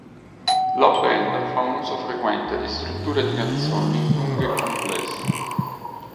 La band fa un uso frequente di strutture di canzoni lunghe e complesse.